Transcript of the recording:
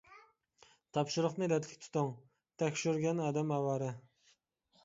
تاپشۇرۇقنى رەتلىك تۇتۇڭ، تەكشۈرگەن ئادەم ئاۋارە.